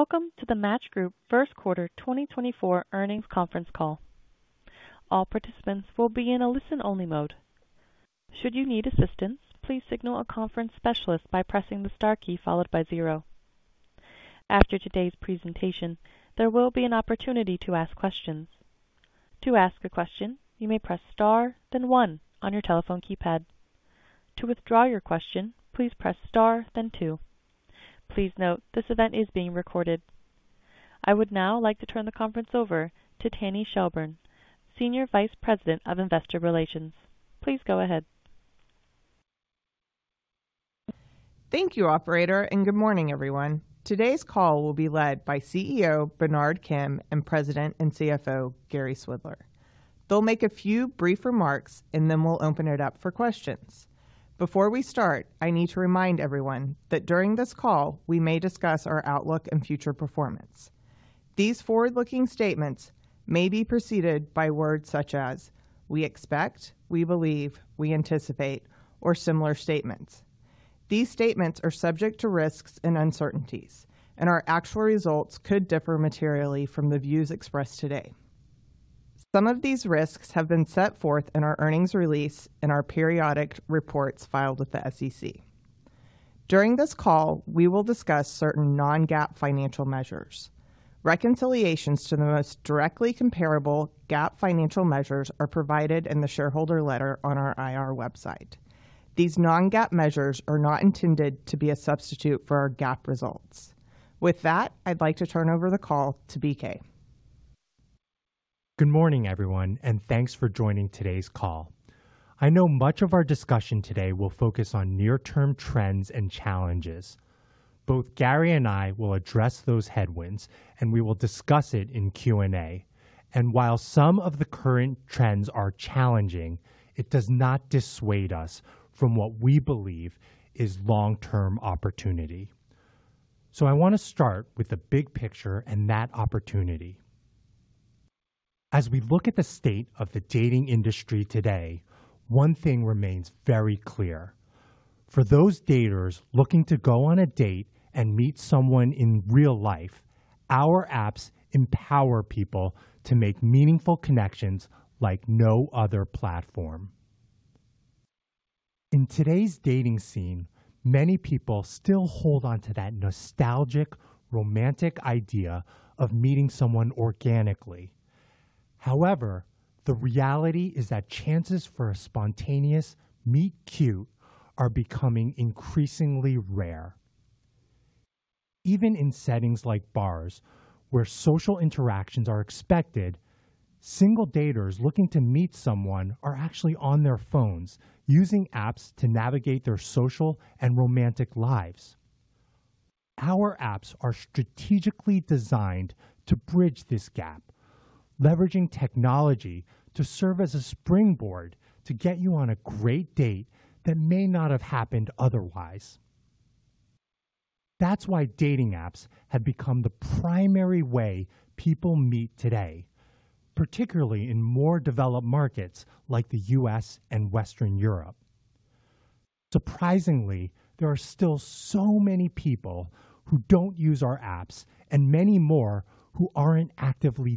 Welcome to the Match Group Q1 2024 earnings conference call. All participants will be in a listen-only mode. Should you need assistance, please signal a conference specialist by pressing the star key followed by zero. After today's presentation, there will be an opportunity to ask questions. To ask a question, you may press star, then one on your telephone keypad. To withdraw your question, please press star, then two. Please note, this event is being recorded. I would now like to turn the conference over to Tanny Shelburne, Senior Vice President of Investor Relations. Please go ahead. Thank you, Operator, and good morning, everyone. Today's call will be led by CEO Bernard Kim and President and CFO Gary Swidler. They'll make a few brief remarks, and then we'll open it up for questions. Before we start, I need to remind everyone that during this call we may discuss our outlook and future performance. These forward-looking statements may be preceded by words such as "we expect," "we believe," "we anticipate," or similar statements. These statements are subject to risks and uncertainties, and our actual results could differ materially from the views expressed today. Some of these risks have been set forth in our earnings release and our periodic reports filed with the SEC. During this call, we will discuss certain non-GAAP financial measures. Reconciliations to the most directly comparable GAAP financial measures are provided in the shareholder letter on our IR website. These non-GAAP measures are not intended to be a substitute for our GAAP results. With that, I'd like to turn over the call to BK. Good morning, everyone, and thanks for joining today's call. I know much of our discussion today will focus on near-term trends and challenges. Both Gary and I will address those headwinds, and we will discuss it in Q&A. While some of the current trends are challenging, it does not dissuade us from what we believe is long-term opportunity. I want to start with the big picture and that opportunity. As we look at the state of the dating industry today, one thing remains very clear. For those daters looking to go on a date and meet someone in real life, our apps empower people to make meaningful connections like no other platform. In today's dating scene, many people still hold onto that nostalgic, romantic idea of meeting someone organically. However, the reality is that chances for a spontaneous "meet-cute" are becoming increasingly rare. Even in settings like bars, where social interactions are expected, single daters looking to meet someone are actually on their phones using apps to navigate their social and romantic lives. Our apps are strategically designed to bridge this gap, leveraging technology to serve as a springboard to get you on a great date that may not have happened otherwise. That's why dating apps have become the primary way people meet today, particularly in more developed markets like the US and Western Europe. Surprisingly, there are still so many people who don't use our apps and many more who aren't actively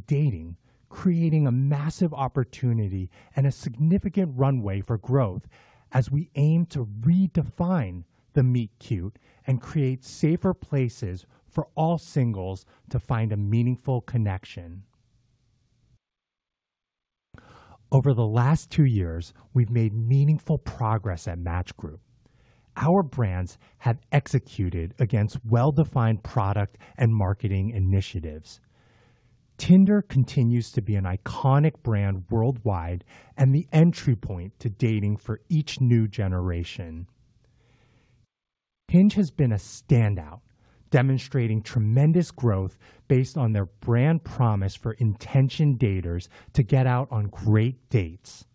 dating, creating a massive opportunity and a significant runway for growth as we aim to redefine the "meet-cute" and create safer places for all singles to find a meaningful connection. Over the last two years, we've made meaningful progress at Match Group. Our brands have executed against well-defined product and marketing initiatives. Tinder continues to be an iconic brand worldwide and the entry point to dating for each new generation. Hinge has been a standout, demonstrating tremendous growth based on their brand promise for intentioned daters to get out on great dates.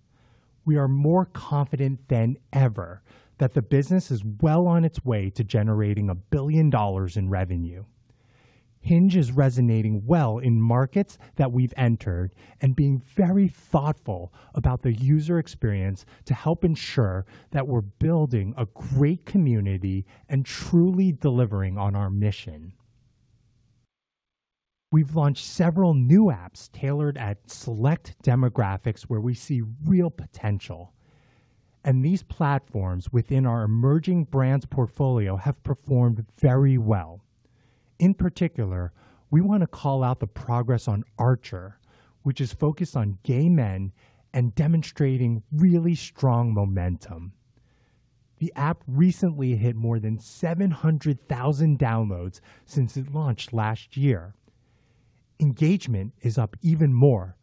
We are more confident than ever that the business is well on its way to generating $1 billion in revenue. Hinge is resonating well in markets that we've entered and being very thoughtful about the user experience to help ensure that we're building a great community and truly delivering on our mission. We've launched several new apps tailored at select demographics where we see real potential, and these platforms within our Emerging brands portfolio have performed very well. In particular, we want to call out the progress on Archer, which is focused on gay men and demonstrating really strong momentum. The app recently hit more than 700,000 downloads since it launched last year. Engagement is up even more,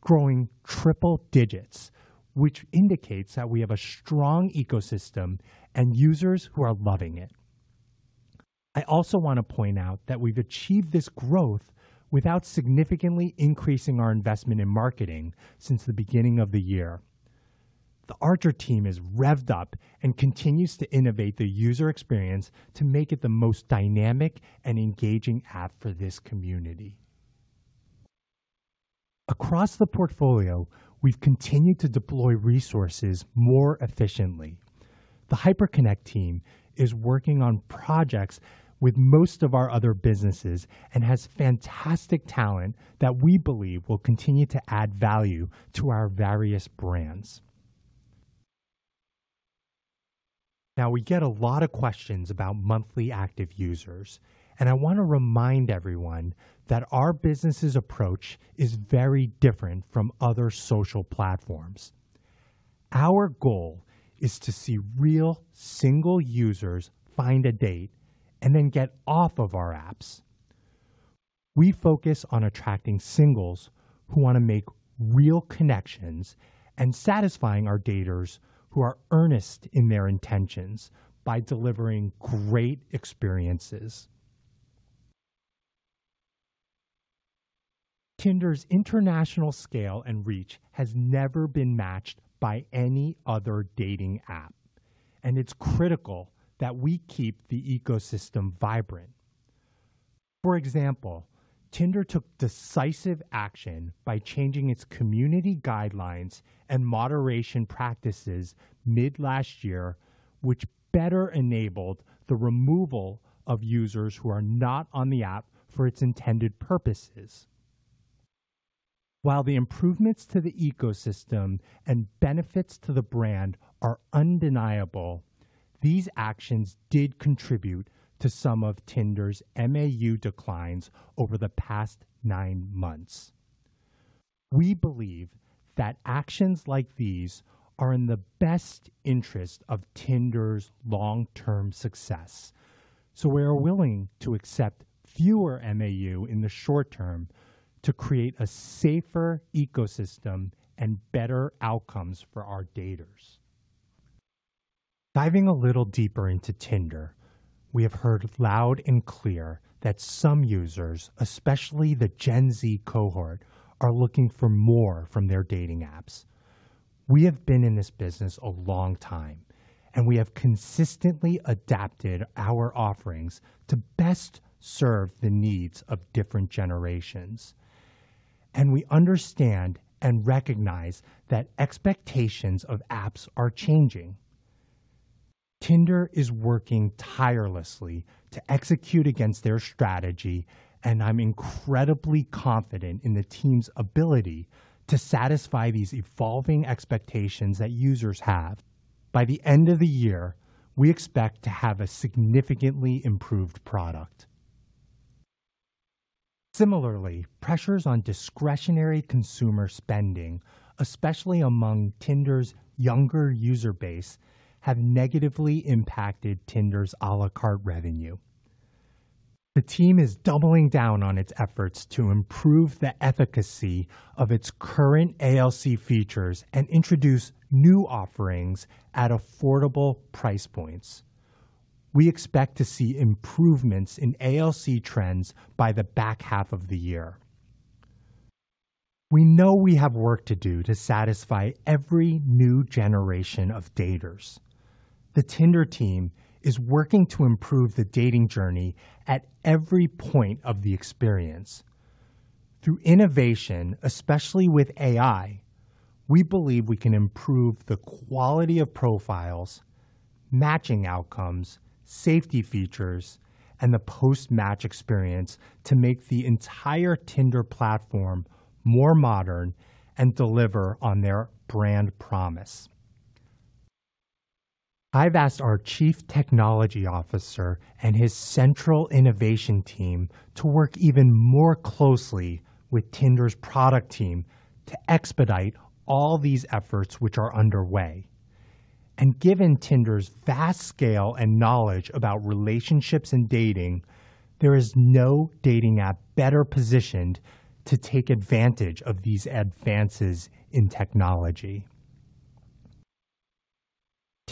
growing triple digits, which indicates that we have a strong ecosystem and users who are loving it. I also want to point out that we've achieved this growth without significantly increasing our investment in marketing since the beginning of the year. The Archer team has revved up and continues to innovate the user experience to make it the most dynamic and engaging app for this community. Across the portfolio, we've continued to deploy resources more efficiently. The HyperConnect team is working on projects with most of our other businesses and has fantastic talent that we believe will continue to add value to our various brands. Now, we get a lot of questions about monthly active users, and I want to remind everyone that our business's approach is very different from other social platforms. Our goal is to see real single users find a date and then get off of our apps. We focus on attracting singles who want to make real connections and satisfying our daters who are earnest in their intentions by delivering great experiences. Tinder's international scale and reach has never been matched by any other dating app, and it's critical that we keep the ecosystem vibrant. For example, Tinder took decisive action by changing its community guidelines and moderation practices mid-last year, which better enabled the removal of users who are not on the app for its intended purposes. While the improvements to the ecosystem and benefits to the brand are undeniable, these actions did contribute to some of Tinder's MAU declines over the past nine months. We believe that actions like these are in the best interest of Tinder's long-term success, so we are willing to accept fewer MAU in the short term to create a safer ecosystem and better outcomes for our daters. Diving a little deeper into Tinder, we have heard loud and clear that some users, especially the Gen Z cohort, are looking for more from their dating apps. We have been in this business a long time, and we have consistently adapted our offerings to best serve the needs of different generations. We understand and recognize that expectations of apps are changing. Tinder is working tirelessly to execute against their strategy, and I'm incredibly confident in the team's ability to satisfy these evolving expectations that users have. By the end of the year, we expect to have a significantly improved product. Similarly, pressures on discretionary consumer spending, especially among Tinder's younger user base, have negatively impacted Tinder's à la carte revenue. The team is doubling down on its efforts to improve the efficacy of its current ALC features and introduce new offerings at affordable price points. We expect to see improvements in ALC trends by the back half of the year. We know we have work to do to satisfy every new generation of daters. The Tinder team is working to improve the dating journey at every point of the experience. Through innovation, especially with AI, we believe we can improve the quality of profiles, matching outcomes, safety features, and the post-match experience to make the entire Tinder platform more modern and deliver on their brand promise. I've asked our Chief Technology Officer and his central innovation team to work even more closely with Tinder's product team to expedite all these efforts which are underway. And given Tinder's vast scale and knowledge about relationships and dating, there is no dating app better positioned to take advantage of these advances in technology.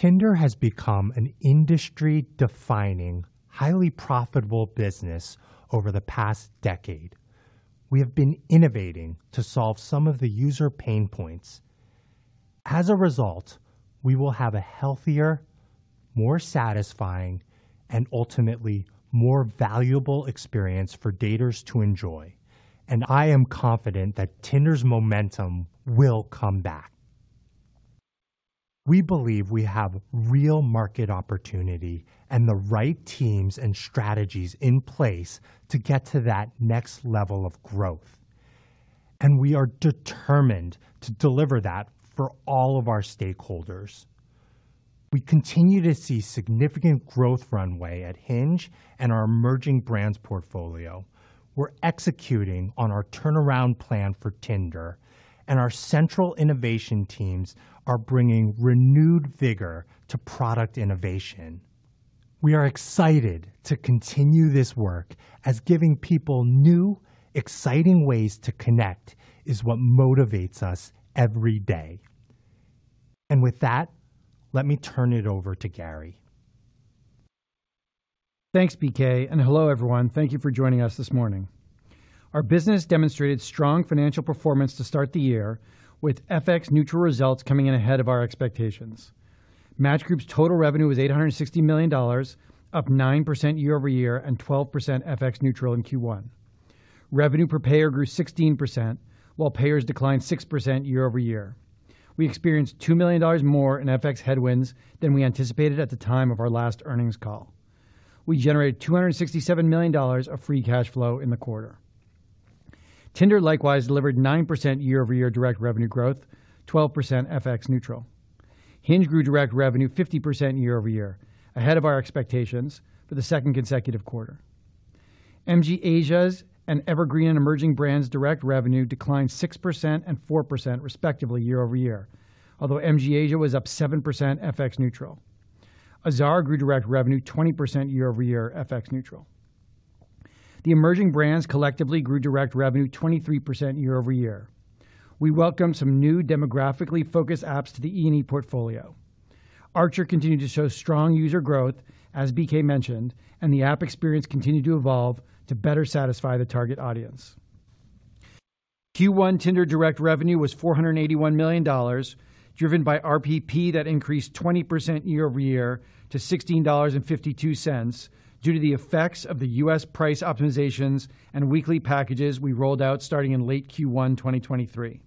Tinder has become an industry-defining, highly profitable business over the past decade. We have been innovating to solve some of the user pain points. As a result, we will have a healthier, more satisfying, and ultimately more valuable experience for daters to enjoy. And I am confident that Tinder's momentum will come back. We believe we have real market opportunity and the right teams and strategies in place to get to that next level of growth. We are determined to deliver that for all of our stakeholders. We continue to see significant growth runway at Hinge and our Emerging brands portfolio. We're executing on our turnaround plan for Tinder, and our central innovation teams are bringing renewed vigor to product innovation. We are excited to continue this work as giving people new, exciting ways to connect is what motivates us every day. With that, let me turn it over to Gary. Thanks, BK, and hello, everyone. Thank you for joining us this morning. Our business demonstrated strong financial performance to start the year, with FX neutral results coming in ahead of our expectations. Match Group's total revenue was $860 million, up 9% year-over-year and 12% FX neutral in Q1. Revenue per payer grew 16%, while payers declined 6% year-over-year. We experienced $2 million more in FX headwinds than we anticipated at the time of our last earnings call. We generated $267 million of free cash flow in the quarter. Tinder likewise delivered 9% year-over-year direct revenue growth, 12% FX neutral. Hinge grew direct revenue 50% year-over-year, ahead of our expectations for the second consecutive quarter. MG Asia's and Evergreen and Emerging Brands' direct revenue declined 6% and 4% respectively year-over-year, although MG Asia was up 7% FX neutral. Azar grew direct revenue 20% year-over-year FX neutral. The Emerging brands collectively grew direct revenue 23% year-over-year. We welcomed some new demographically focused apps to the E&E portfolio. Archer continued to show strong user growth, as BK mentioned, and the app experience continued to evolve to better satisfy the target audience. Q1 Tinder direct revenue was $481 million, driven by RPP that increased 20% year-over-year to $16.52 due to the effects of the US price optimizations and weekly packages we rolled out starting in late Q1 2023.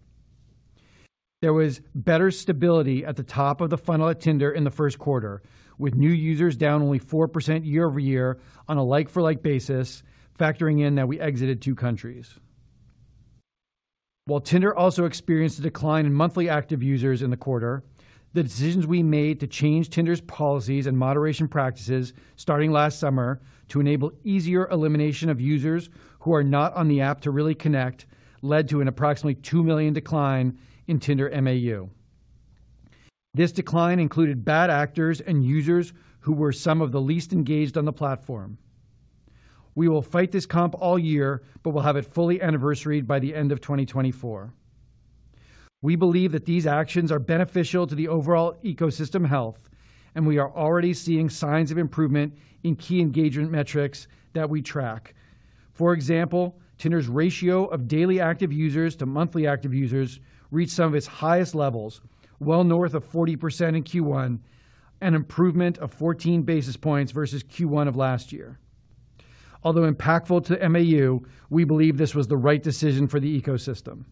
There was better stability at the top of the funnel at Tinder in the Q1, with new users down only 4% year-over-year on a like-for-like basis, factoring in that we exited two countries. While Tinder also experienced a decline in monthly active users in the quarter, the decisions we made to change Tinder's policies and moderation practices starting last summer to enable easier elimination of users who are not on the app to really connect led to an approximately 2 million decline in Tinder MAU. This decline included bad actors and users who were some of the least engaged on the platform. We will fight this comp all year, but we'll have it fully anniversaried by the end of 2024. We believe that these actions are beneficial to the overall ecosystem health, and we are already seeing signs of improvement in key engagement metrics that we track. For example, Tinder's ratio of daily active users to monthly active users reached some of its highest levels, well north of 40% in Q1, an improvement of 14 basis points versus Q1 of last year. Although impactful to the MAU, we believe this was the right decision for the ecosystem.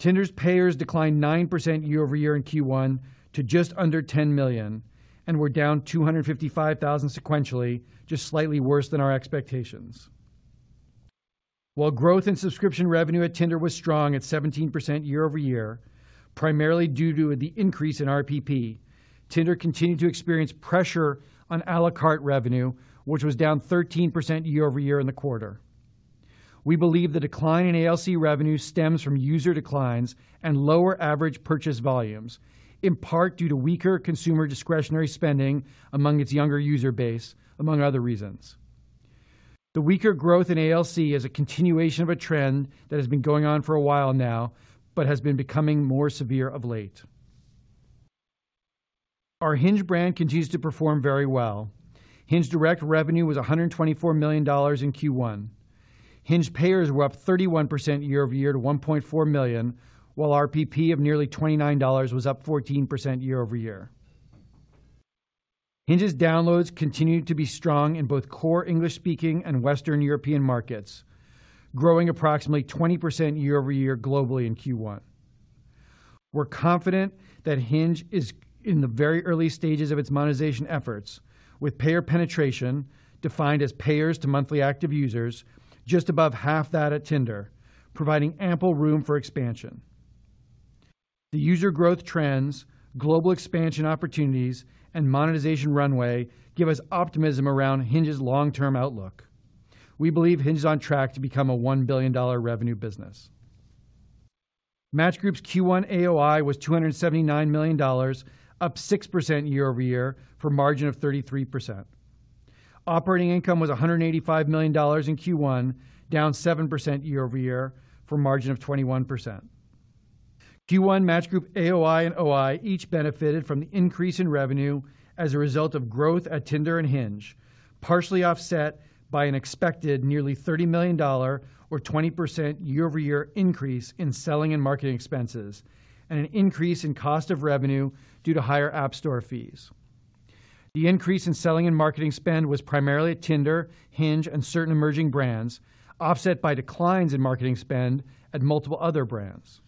Tinder's payers declined 9% year-over-year in Q1 to just under 10 million and were down 255,000 sequentially, just slightly worse than our expectations. While growth in subscription revenue at Tinder was strong at 17% year-over-year, primarily due to the increase in RPP, Tinder continued to experience pressure on à la carte revenue, which was down 13% year-over-year in the quarter. We believe the decline in ALC revenue stems from user declines and lower average purchase volumes, in part due to weaker consumer discretionary spending among its younger user base, among other reasons. The weaker growth in ALC is a continuation of a trend that has been going on for a while now but has been becoming more severe of late. Our Hinge brand continues to perform very well. Hinge direct revenue was $124 million in Q1. Hinge payers were up 31% year-over-year to 1.4 million, while RPP of nearly $29 was up 14% year-over-year. Hinge's downloads continue to be strong in both core English-speaking and Western European markets, growing approximately 20% year-over-year globally in Q1. We're confident that Hinge is in the very early stages of its monetization efforts, with payer penetration, defined as payers to monthly active users, just above half that at Tinder, providing ample room for expansion. The user growth trends, global expansion opportunities, and monetization runway give us optimism around Hinge's long-term outlook. We believe Hinge is on track to become a $1 billion revenue business. Match Group's Q1 AOI was $279 million, up 6% year-over-year for a margin of 33%. Operating income was $185 million in Q1, down 7% year-over-year for a margin of 21%. Q1 Match Group AOI and OI each benefited from the increase in revenue as a result of growth at Tinder and Hinge, partially offset by an expected nearly $30 million or 20% year-over-year increase in selling and marketing expenses and an increase in cost of revenue due to higher App store fees. The increase in selling and marketing spend was primarily at Tinder, Hinge, and certain Emerging brands, offset by declines in marketing spend at multiple other brands.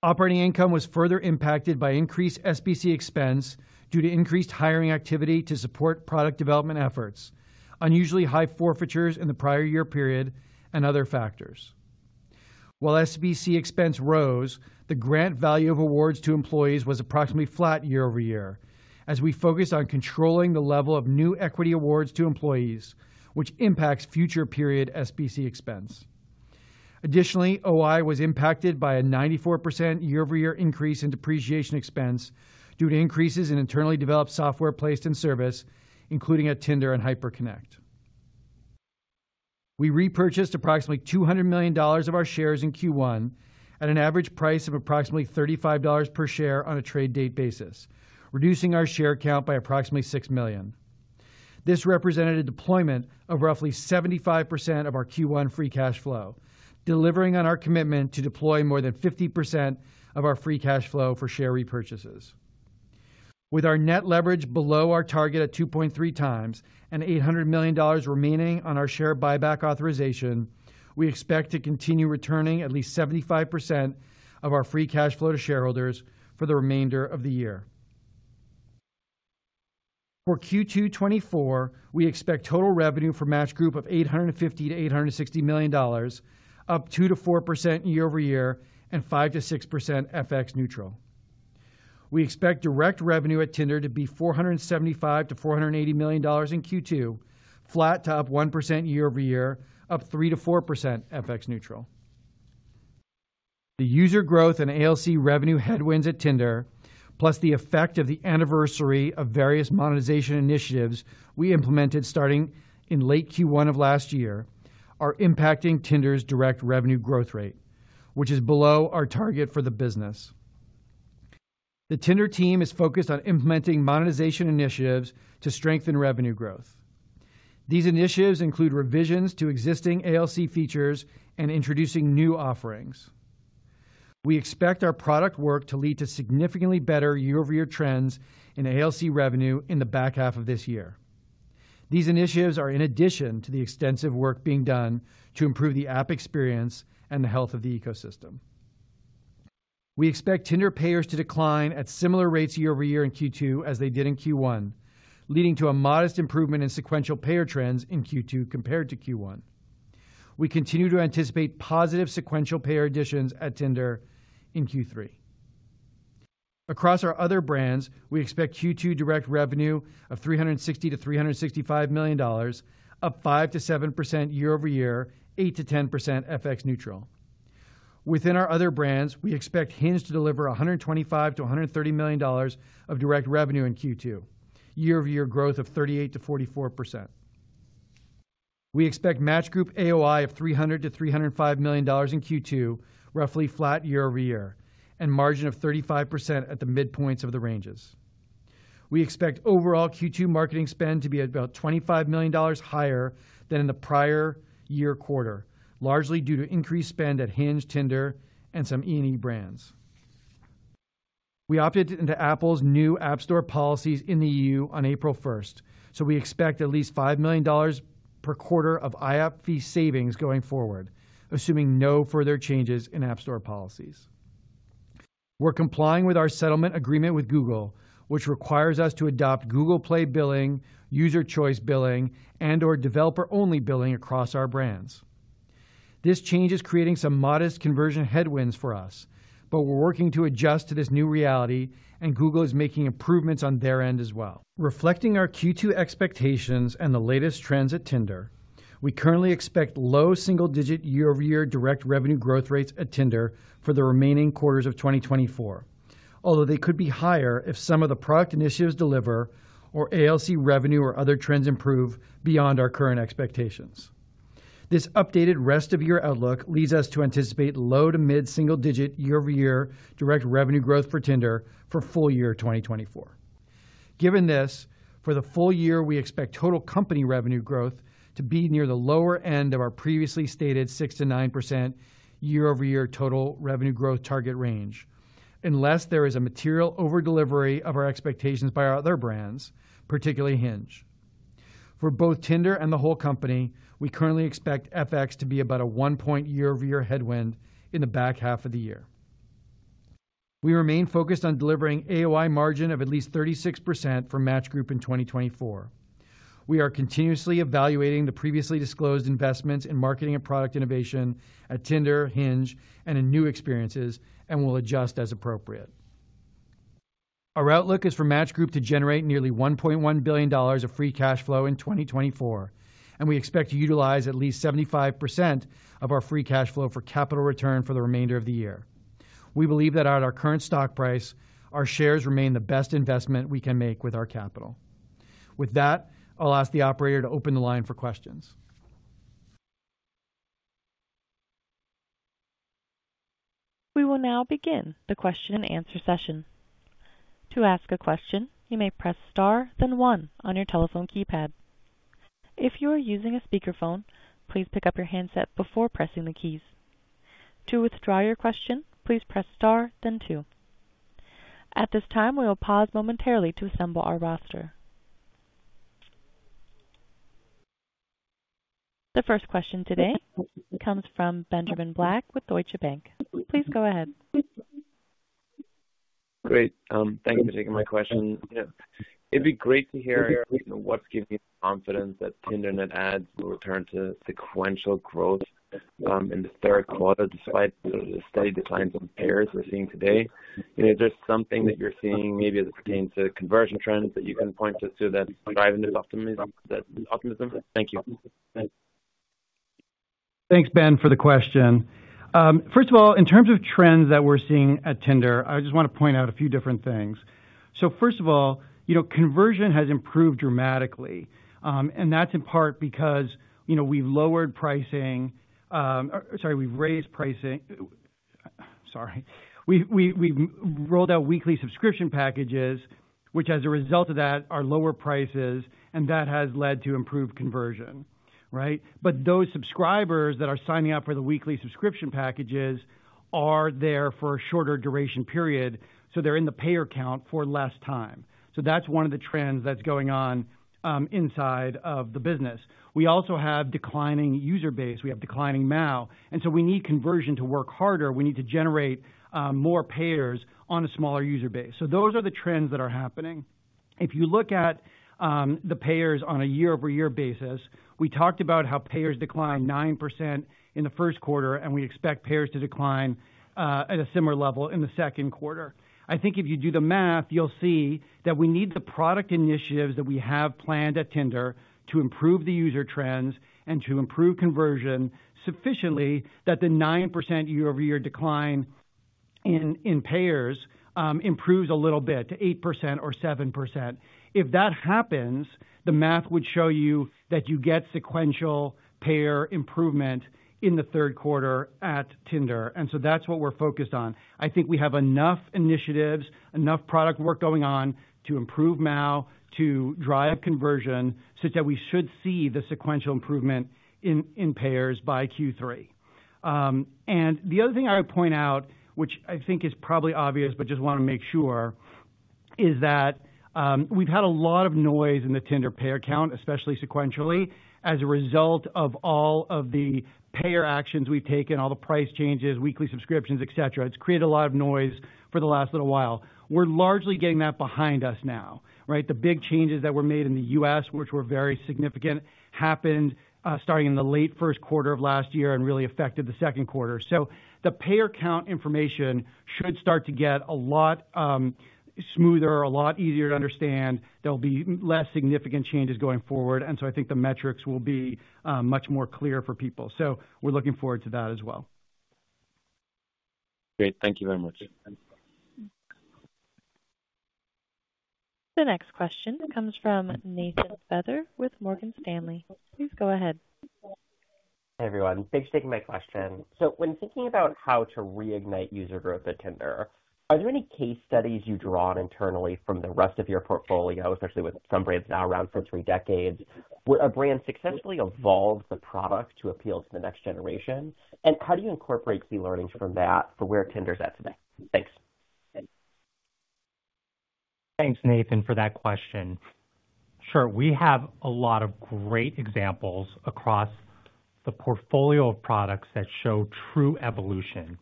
Operating income was further impacted by increased SBC expense due to increased hiring activity to support product development efforts, unusually high forfeitures in the prior year period, and other factors. While SBC expense rose, the grant value of awards to employees was approximately flat year-over-year as we focused on controlling the level of new equity awards to employees, which impacts future period SBC expense. Additionally, OI was impacted by a 94% year-over-year increase in depreciation expense due to increases in internally developed software placed in service, including at Tinder and HyperConnect. We repurchased approximately $200 million of our shares in Q1 at an average price of approximately $35 per share on a trade date basis, reducing our share count by approximately 6 million. This represented a deployment of roughly 75% of our Q1 free cash flow, delivering on our commitment to deploy more than 50% of our free cash flow for share repurchases. With our net leverage below our target at 2.3x and $800 million remaining on our share buyback authorization, we expect to continue returning at least 75% of our free cash flow to shareholders for the remainder of the year. For Q2 2024, we expect total revenue for Match Group of $850 to 860 million, up 2% to 4% year-over-year and 5% to 6% FX neutral. We expect direct revenue at Tinder to be $475 to 480 million in Q2, flat to up 1% year-over-year, up 3% to 4% FX neutral. The user growth and ALC revenue headwinds at Tinder, plus the effect of the anniversary of various monetization initiatives we implemented starting in late Q1 of last year, are impacting Tinder's direct revenue growth rate, which is below our target for the business. The Tinder team is focused on implementing monetization initiatives to strengthen revenue growth. These initiatives include revisions to existing ALC features and introducing new offerings. We expect our product work to lead to significantly better year-over-year trends in ALC revenue in the back half of this year. These initiatives are in addition to the extensive work being done to improve the app experience and the health of the ecosystem. We expect Tinder payers to decline at similar rates year-over-year in Q2 as they did in Q1, leading to a modest improvement in sequential payer trends in Q2 compared to Q1. We continue to anticipate positive sequential payer additions at Tinder in Q3. Across our other brands, we expect Q2 direct revenue of $360 to 365 million, up 5% to 7% year-over-year, 8% to 10% FX neutral. Within our other brands, we expect Hinge to deliver $125 to 130 million of direct revenue in Q2, year-over-year growth of 38% to 44%. We expect Match Group AOI of $300 to 305 million in Q2, roughly flat year-over-year, and margin of 35% at the midpoints of the ranges. We expect overall Q2 marketing spend to be about $25 million higher than in the prior year quarter, largely due to increased spend at Hinge, Tinder, and some E&E brands. We opted into Apple's new App store policies in the EU on 1 April, so we expect at least $5 million per quarter of IAP fee savings going forward, assuming no further changes in App store policies. We're complying with our settlement agreement with Google, which requires us to adopt Google Play billing, User Choice Billing, and/or developer-only billing across our brands. This change is creating some modest conversion headwinds for us, but we're working to adjust to this new reality, and Google is making improvements on their end as well. Reflecting our Q2 expectations and the latest trends at Tinder, we currently expect low single-digit year-over-year direct revenue growth rates at Tinder for the remaining quarters of 2024, although they could be higher if some of the product initiatives deliver or ALC revenue or other trends improve beyond our current expectations. This updated rest-of-year outlook leads us to anticipate low to mid-single-digit year-over-year direct revenue growth for Tinder for full year 2024. Given this, for the full year, we expect total company revenue growth to be near the lower end of our previously stated 6% to 9% year-over-year total revenue growth target range, unless there is a material overdelivery of our expectations by our other brands, particularly Hinge. For both Tinder and the whole company, we currently expect FX to be about a 1-point year-over-year headwind in the back half of the year. We remain focused on delivering AOI margin of at least 36% for Match Group in 2024. We are continuously evaluating the previously disclosed investments in marketing and product innovation at Tinder, Hinge, and in new experiences, and will adjust as appropriate. Our outlook is for Match Group to generate nearly $1.1 billion of free cash flow in 2024, and we expect to utilize at least 75% of our free cash flow for capital return for the remainder of the year. We believe that at our current stock price, our shares remain the best investment we can make with our capital. With that, I'll ask the operator to open the line for questions. We will now begin the question-and-answer session. To ask a question, you may press star, then one on your telephone keypad. If you are using a speakerphone, please pick up your handset before pressing the keys. To withdraw your question, please press star, then two. At this time, we will pause momentarily to assemble our roster. The first question today comes from Benjamin Black with Deutsche Bank. Please go ahead. Great. Thank you for taking my question. It'd be great to hear what's giving you confidence that Tinder Net Adds will return to sequential growth in the third quarter despite the steady declines in payers we're seeing today. Is there something that you're seeing maybe as it pertains to conversion trends that you can point us to that's driving this optimism? Thank you. Thanks, Ben, for the question. First of all, in terms of trends that we're seeing at Tinder, I just want to point out a few different things. So first of all, conversion has improved dramatically, and that's in part because we've lowered pricing sorry, we've raised pricing sorry. We've rolled out weekly subscription packages, which as a result of that are lower prices, and that has led to improved conversion, right? But those subscribers that are signing up for the weekly subscription packages are there for a shorter duration period, so they're in the payer count for less time. So that's one of the trends that's going on inside of the business. We also have declining user base. We have declining MAU, and so we need conversion to work harder. We need to generate more payers on a smaller user base. So those are the trends that are happening. If you look at the payers on a year-over-year basis, we talked about how payers decline 9% in the Q1, and we expect payers to decline at a similar level in the Q2. I think if you do the math, you'll see that we need the product initiatives that we have planned at Tinder to improve the user trends and to improve conversion sufficiently that the 9% year-over-year decline in payers improves a little bit to 8% or 7%. If that happens, the math would show you that you get sequential payer improvement in the Q3 at Tinder. And so that's what we're focused on. I think we have enough initiatives, enough product work going on to improve MAU, to drive conversion such that we should see the sequential improvement in payers by Q3. The other thing I would point out, which I think is probably obvious, but just want to make sure, is that we've had a lot of noise in the Tinder payer count, especially sequentially, as a result of all of the payer actions we've taken, all the price changes, weekly subscriptions, etc. It's created a lot of noise for the last little while. We're largely getting that behind us now, right? The big changes that were made in the US, which were very significant, happened starting in the late Q1 of last year and really affected the Q2. So the payer count information should start to get a lot smoother, a lot easier to understand. There'll be less significant changes going forward, and so I think the metrics will be much more clear for people. So we're looking forward to that as well. Great. Thank you very much. The next question comes from Nathan Feather with Morgan Stanley. Please go ahead. Hey, everyone. Thanks for taking my question. So when thinking about how to reignite user growth at Tinder, are there any case studies you draw on internally from the rest of your portfolio, especially with some brands now around for three decades? Would a brand successfully evolve the product to appeal to the next generation? And how do you incorporate key learnings from that for where Tinder's at today? Thanks. Thanks, Nathan, for that question. Sure. We have a lot of great examples across the portfolio of products that show true evolution.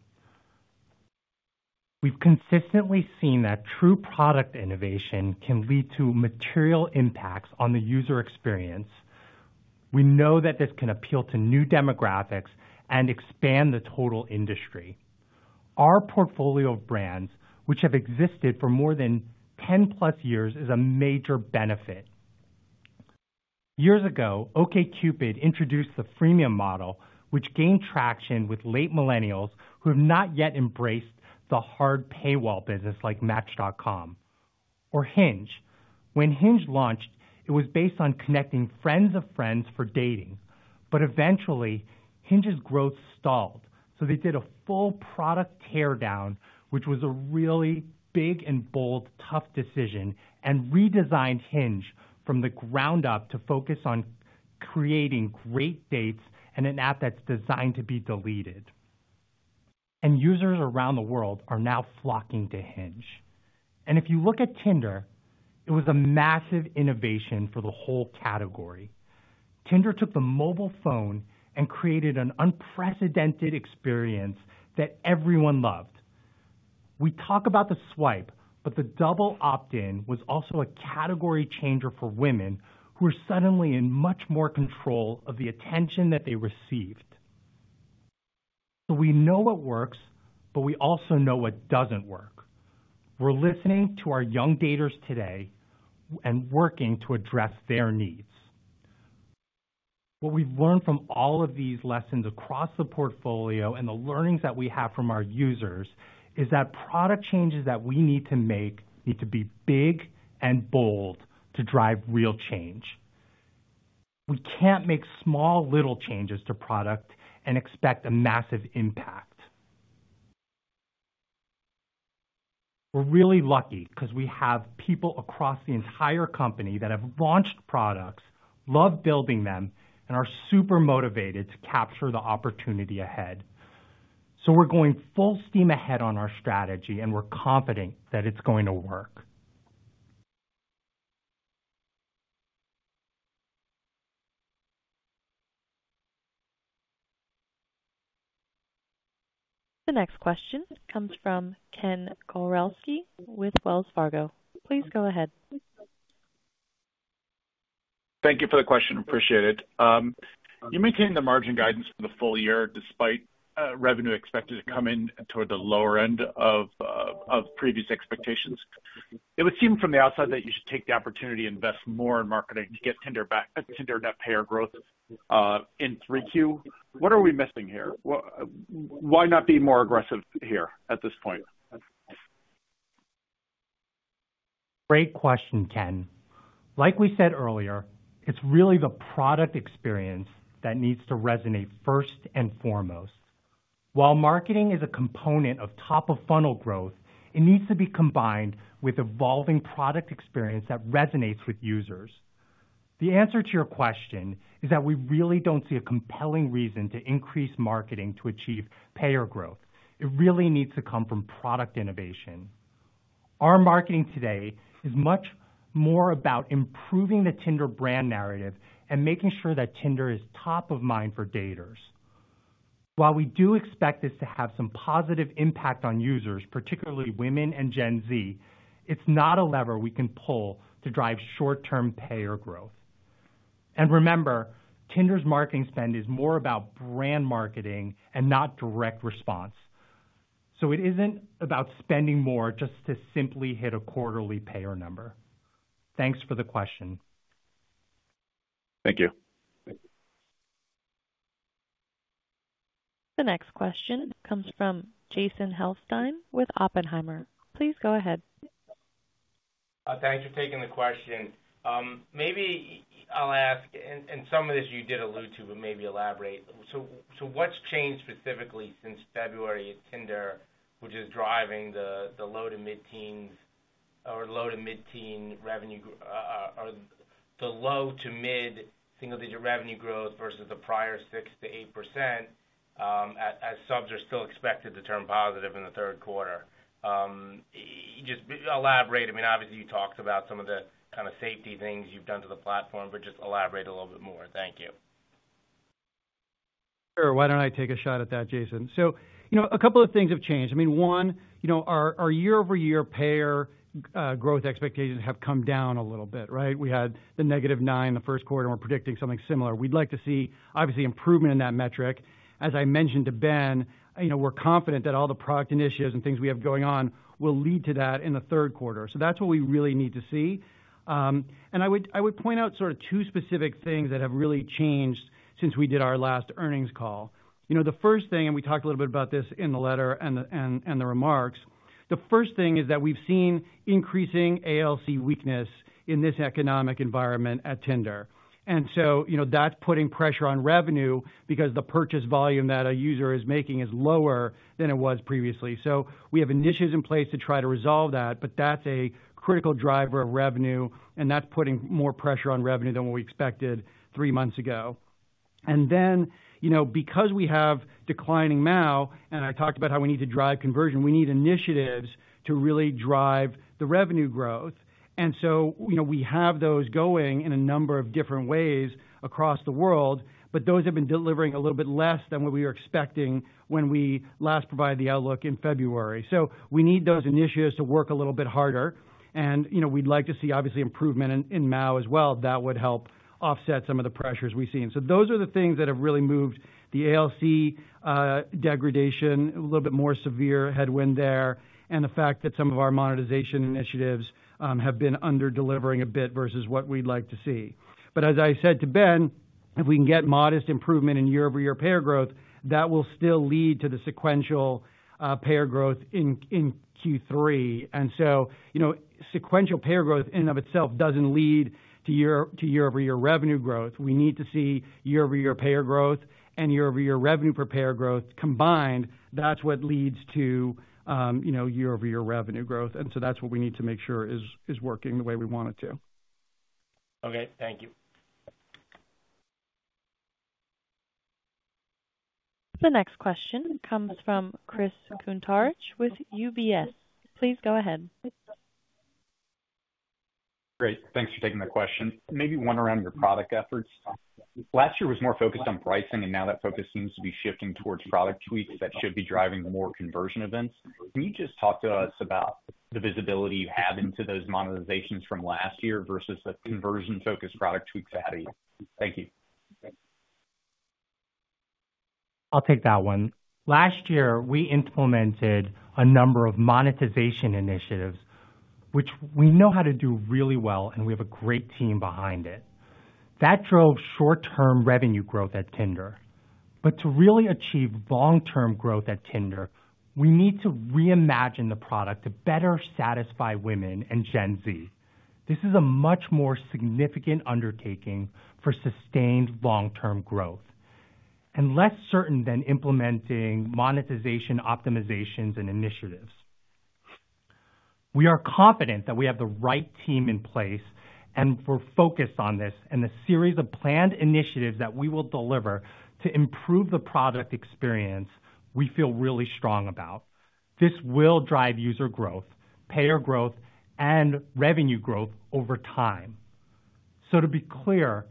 We've consistently seen that true product innovation can lead to material impacts on the user experience. We know that this can appeal to new demographics and expand the total industry. Our portfolio of brands, which have existed for more than 10+ years, is a major benefit. Years ago, OkCupid introduced the freemium model, which gained traction with late millennials who have not yet embraced the hard paywall business like Match.com. Or Hinge. When Hinge launched, it was based on connecting friends of friends for dating. But eventually, Hinge's growth stalled, so they did a full product teardown, which was a really big and bold, tough decision, and redesigned Hinge from the ground up to focus on creating great dates and an app that's designed to be deleted. Users around the world are now flocking to Hinge. If you look at Tinder, it was a massive innovation for the whole category. Tinder took the mobile phone and created an unprecedented experience that everyone loved. We talk about the swipe, but the double opt-in was also a category changer for women who were suddenly in much more control of the attention that they received. We know what works, but we also know what doesn't work. We're listening to our young daters today and working to address their needs. What we've learned from all of these lessons across the portfolio and the learnings that we have from our users is that product changes that we need to make need to be big and bold to drive real change. We can't make small, little changes to product and expect a massive impact. We're really lucky because we have people across the entire company that have launched products, love building them, and are super motivated to capture the opportunity ahead. So we're going full steam ahead on our strategy, and we're confident that it's going to work. The next question comes from Ken Gawrelski with Wells Fargo. Please go ahead. Thank you for the question. Appreciate it. You maintained the margin guidance for the full year despite revenue expected to come in toward the lower end of previous expectations. It would seem from the outside that you should take the opportunity to invest more in marketing to get Tinder net payer growth in 3Q. What are we missing here? Why not be more aggressive here at this point? Great question, Ken. Like we said earlier, it's really the product experience that needs to resonate first and foremost. While marketing is a component of top-of-funnel growth, it needs to be combined with evolving product experience that resonates with users. The answer to your question is that we really don't see a compelling reason to increase marketing to achieve payer growth. It really needs to come from product innovation. Our marketing today is much more about improving the Tinder brand narrative and making sure that Tinder is top of mind for daters. While we do expect this to have some positive impact on users, particularly women and Gen Z, it's not a lever we can pull to drive short-term payer growth. Remember, Tinder's marketing spend is more about brand marketing and not direct response. It isn't about spending more just to simply hit a quarterly payer number. Thanks for the question. Thank you. The next question comes from Jason Helfstein with Oppenheimer. Please go ahead. Thanks for taking the question. Maybe I'll ask and some of this you did allude to, but maybe elaborate. So what's changed specifically since February at Tinder, which is driving the low to mid-teen or low to mid-teen revenue or the low to mid-single-digit revenue growth versus the prior 6% to 8% as subs are still expected to turn positive in the third quarter? Just elaborate. I mean, obviously, you talked about some of the kind of safety things you've done to the platform, but just elaborate a little bit more. Thank you. Sure. Why don't I take a shot at that, Jason? So a couple of things have changed. I mean, one, our year-over-year payer growth expectations have come down a little bit, right? We had the -9 in the Q1, and we're predicting something similar. We'd like to see, obviously, improvement in that metric. As I mentioned to Ben, we're confident that all the product initiatives and things we have going on will lead to that in the third quarter. So that's what we really need to see. And I would point out sort of two specific things that have really changed since we did our last earnings call. The first thing and we talked a little bit about this in the letter and the remarks. The first thing is that we've seen increasing ALC weakness in this economic environment at Tinder. So that's putting pressure on revenue because the purchase volume that a user is making is lower than it was previously. So we have initiatives in place to try to resolve that, but that's a critical driver of revenue, and that's putting more pressure on revenue than what we expected three months ago. Then because we have declining MAU, and I talked about how we need to drive conversion, we need initiatives to really drive the revenue growth. So we have those going in a number of different ways across the world, but those have been delivering a little bit less than what we were expecting when we last provided the outlook in February. So we need those initiatives to work a little bit harder. We'd like to see, obviously, improvement in MAU as well. That would help offset some of the pressures we've seen. So those are the things that have really moved the ALC degradation, a little bit more severe headwind there, and the fact that some of our monetization initiatives have been underdelivering a bit versus what we'd like to see. But as I said to Ben, if we can get modest improvement in year-over-year payer growth, that will still lead to the sequential payer growth in Q3. And so sequential payer growth in and of itself doesn't lead to year-over-year revenue growth. We need to see year-over-year payer growth and year-over-year revenue per payer growth combined. That's what leads to year-over-year revenue growth. And so that's what we need to make sure is working the way we want it to. Okay. Thank you. The next question comes from Chris Kuntarich with UBS. Please go ahead. Great. Thanks for taking the question. Maybe one around your product efforts. Last year was more focused on pricing, and now that focus seems to be shifting towards product tweaks that should be driving more conversion events. Can you just talk to us about the visibility you have into those monetizations from last year versus the conversion-focused product tweaks that have to do with you? Thank you. I'll take that one. Last year, we implemented a number of monetization initiatives, which we know how to do really well, and we have a great team behind it. That drove short-term revenue growth at Tinder. But to really achieve long-term growth at Tinder, we need to reimagine the product to better satisfy women and Gen Z. This is a much more significant undertaking for sustained long-term growth and less certain than implementing monetization optimizations and initiatives. We are confident that we have the right team in place, and we're focused on this, and the series of planned initiatives that we will deliver to improve the product experience we feel really strong about. This will drive user growth, payer growth, and revenue growth over time. So to be clear,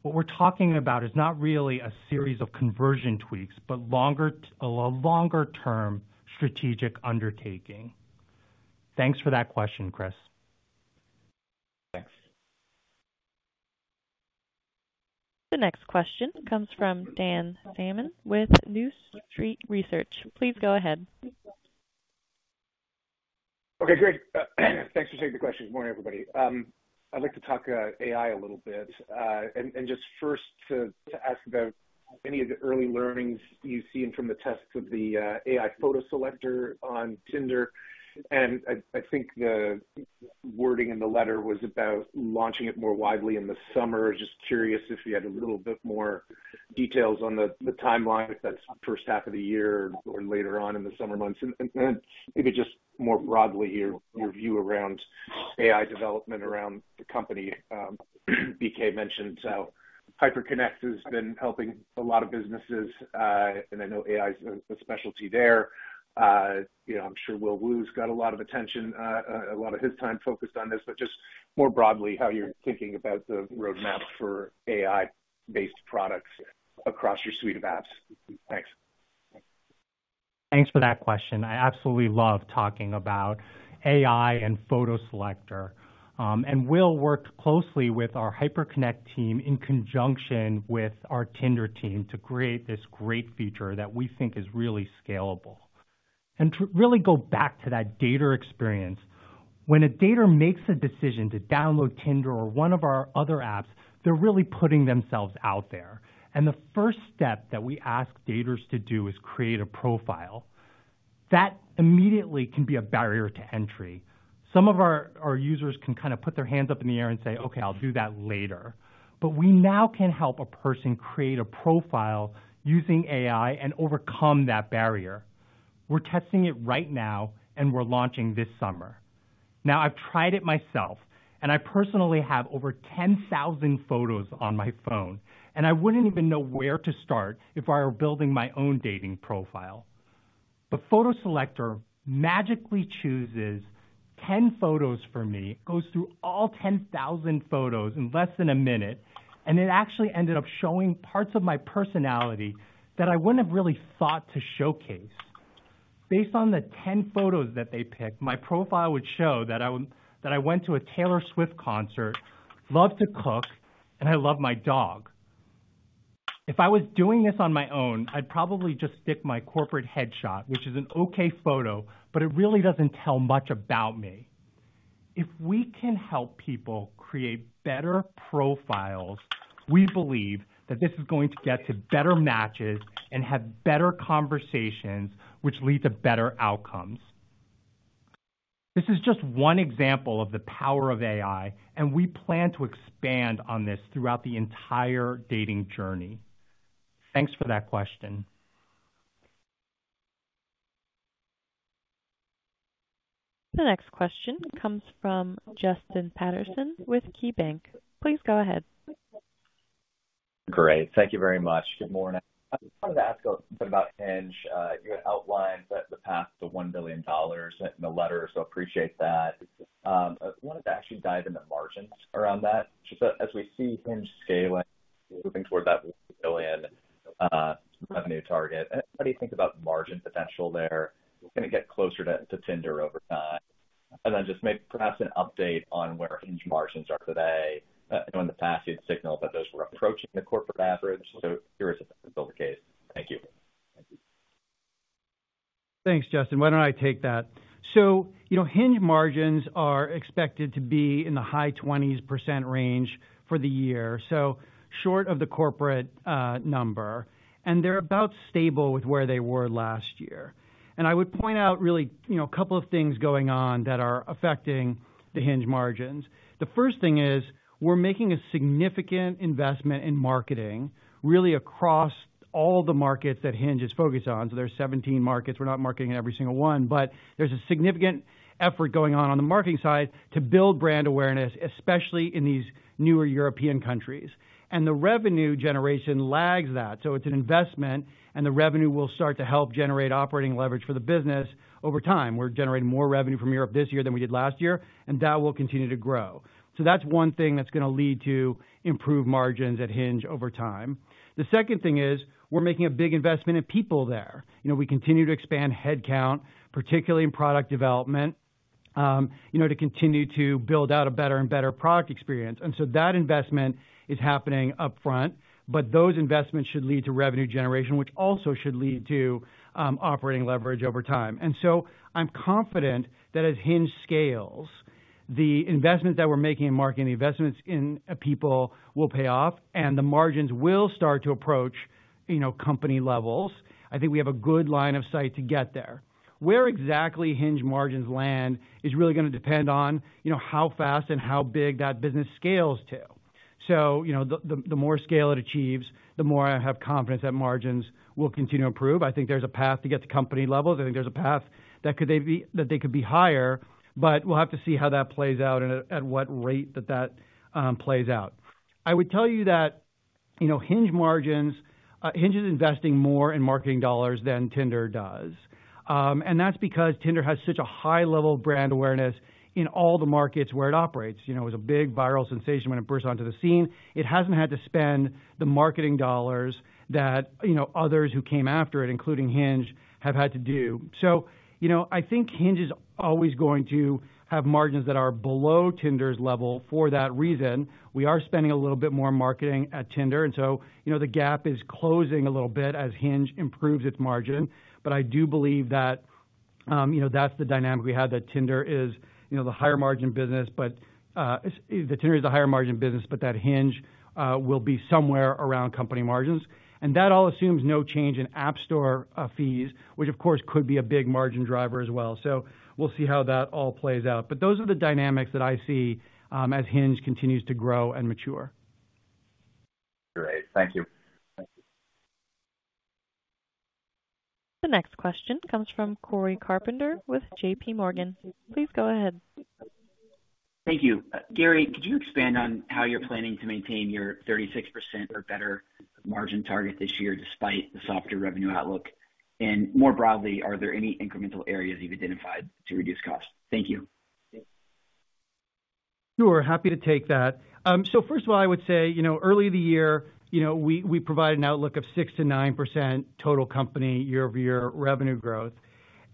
what we're talking about is not really a series of conversion tweaks, but a longer-term strategic undertaking. Thanks for that question, Chris. Thanks. The next question comes from Dan Salmon with New Street Research. Please go ahead. Okay. Great. Thanks for taking the question. Good morning, everybody. I'd like to talk AI a little bit. And just first to ask about any of the early learnings you've seen from the tests of the AI Photo Selector on Tinder. And I think the wording in the letter was about launching it more widely in the summer. Just curious if you had a little bit more details on the timeline, if that's first half of the year or later on in the summer months. And then maybe just more broadly here, your view around AI development around the company BK mentioned. So HyperConnect has been helping a lot of businesses, and I know AI's a specialty there. I'm sure Will Wu's got a lot of attention, a lot of his time focused on this. But just more broadly, how you're thinking about the roadmap for AI-based products across your suite of apps? Thanks. Thanks for that question. I absolutely love talking about AI and Photo Selector. And Will worked closely with our HyperConnect team in conjunction with our Tinder team to create this great feature that we think is really scalable. And to really go back to that dater experience, when a dater makes a decision to download Tinder or one of our other apps, they're really putting themselves out there. And the first step that we ask daters to do is create a profile. That immediately can be a barrier to entry. Some of our users can kind of put their hands up in the air and say, "Okay. I'll do that later." But we now can help a person create a profile using AI and overcome that barrier. We're testing it right now, and we're launching this summer. Now, I've tried it myself, and I personally have over 10,000 photos on my phone, and I wouldn't even know where to start if I were building my own dating profile. The photo selector magically chooses 10 photos for me, goes through all 10,000 photos in less than a minute, and it actually ended up showing parts of my personality that I wouldn't have really thought to showcase. Based on the 10 photos that they picked, my profile would show that I went to a Taylor Swift concert, love to cook, and I love my dog. If I was doing this on my own, I'd probably just stick my corporate headshot, which is an okay photo, but it really doesn't tell much about me. If we can help people create better profiles, we believe that this is going to get to better matches and have better conversations, which lead to better outcomes. This is just one example of the power of AI, and we plan to expand on this throughout the entire dating journey. Thanks for that question. The next question comes from Justin Patterson with KeyBank. Please go ahead. Great. Thank you very much. Good morning. I wanted to ask a little bit about Hinge. You had outlined the path to $1 billion in the letter, so appreciate that. I wanted to actually dive into margins around that. As we see Hinge scaling, moving toward that $1 billion revenue target, how do you think about margin potential there? It's going to get closer to Tinder over time. And then just perhaps an update on where Hinge margins are today. I know in the past, you had signaled that those were approaching the corporate average, so here is if that's still the case. Thank you. Thanks, Justin. Why don't I take that? Hinge margins are expected to be in the high 20%s range for the year, short of the corporate number. They're about stable with where they were last year. I would point out really a couple of things going on that are affecting the Hinge margins. The first thing is we're making a significant investment in marketing, really across all the markets that Hinge is focused on. There are 17 markets. We're not marketing in every single one, but there's a significant effort going on on the marketing side to build brand awareness, especially in these newer European countries. The revenue generation lags that. It's an investment, and the revenue will start to help generate operating leverage for the business over time. We're generating more revenue from Europe this year than we did last year, and that will continue to grow. So that's one thing that's going to lead to improved margins at Hinge over time. The second thing is we're making a big investment in people there. We continue to expand headcount, particularly in product development, to continue to build out a better and better product experience. And so that investment is happening upfront, but those investments should lead to revenue generation, which also should lead to operating leverage over time. And so I'm confident that as Hinge scales, the investments that we're making in marketing, the investments in people will pay off, and the margins will start to approach company levels. I think we have a good line of sight to get there. Where exactly Hinge margins land is really going to depend on how fast and how big that business scales to. So the more scale it achieves, the more I have confidence that margins will continue to improve. I think there's a path to get to company levels. I think there's a path that they could be higher, but we'll have to see how that plays out and at what rate that plays out. I would tell you that Hinge is investing more in marketing dollars than Tinder does. And that's because Tinder has such a high-level brand awareness in all the markets where it operates. It was a big viral sensation when it burst onto the scene. It hasn't had to spend the marketing dollars that others who came after it, including Hinge, have had to do. So I think Hinge is always going to have margins that are below Tinder's level for that reason. We are spending a little bit more marketing at Tinder, and so the gap is closing a little bit as Hinge improves its margin. But I do believe that that's the dynamic we had, that Tinder is the higher-margin business, but the Tinder is the higher-margin business, but that Hinge will be somewhere around company margins. And that all assumes no change in App store fees, which, of course, could be a big margin driver as well. So we'll see how that all plays out. But those are the dynamics that I see as Hinge continues to grow and mature. Great. Thank you. The next question comes from Cory Carpenter with JPMorgan. Please go ahead. Thank you. Gary, could you expand on how you're planning to maintain your 36% or better margin target this year despite the softer revenue outlook? More broadly, are there any incremental areas you've identified to reduce costs? Thank you. Sure. Happy to take that. So first of all, I would say early this year, we provided an outlook of 6% to 9% total company year-over-year revenue growth.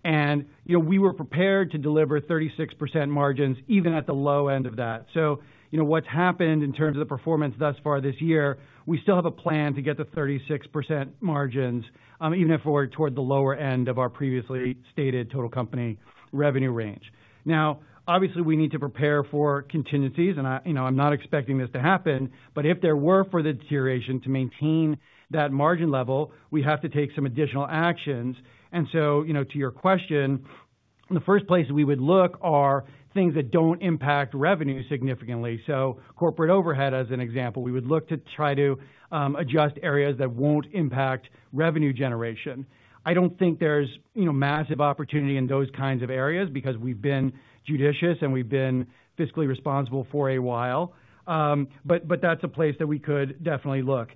And we were prepared to deliver 36% margins even at the low end of that. So what's happened in terms of the performance thus far this year, we still have a plan to get to 36% margins even if we're toward the lower end of our previously stated total company revenue range. Now, obviously, we need to prepare for contingencies, and I'm not expecting this to happen. But if there were further deterioration to maintain that margin level, we have to take some additional actions. And so to your question, in the first place, we would look at things that don't impact revenue significantly. Corporate overhead, as an example, we would look to try to adjust areas that won't impact revenue generation. I don't think there's massive opportunity in those kinds of areas because we've been judicious and we've been fiscally responsible for a while. But that's a place that we could definitely look.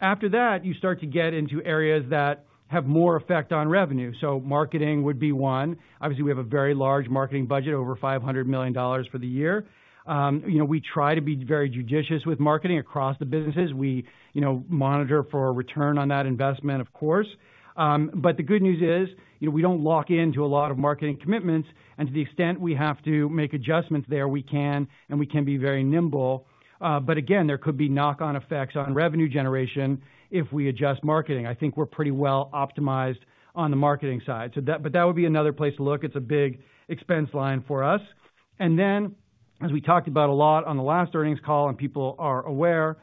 After that, you start to get into areas that have more effect on revenue. So marketing would be one. Obviously, we have a very large marketing budget over $500 million for the year. We try to be very judicious with marketing across the businesses. We monitor for a return on that investment, of course. But the good news is we don't lock into a lot of marketing commitments. And to the extent we have to make adjustments there, we can, and we can be very nimble. But again, there could be knock-on effects on revenue generation if we adjust marketing. I think we're pretty well optimized on the marketing side. But that would be another place to look. It's a big expense line for us. And then, as we talked about a lot on the last earnings call, and people are aware,